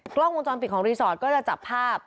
กล้องวงจรปิดของรีสอร์ทก็จะจับภาพ